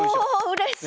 うれしい！